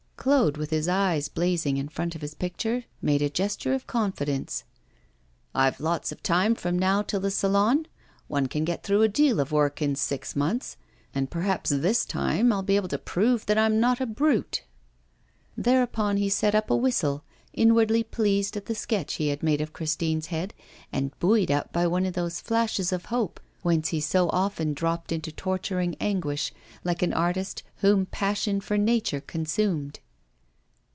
Claude, with his eyes blazing in front of his picture, made a gesture of confidence. 'I've lots of time from now till the Salon. One can get through a deal of work in six months. And perhaps this time I'll be able to prove that I am not a brute.' Thereupon he set up a whistle, inwardly pleased at the sketch he had made of Christine's head, and buoyed up by one of those flashes of hope whence he so often dropped into torturing anguish, like an artist whom passion for nature consumed.